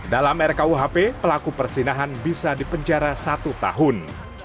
dalam rkuhp pelaku persinahan bisa dipenjara satu tahun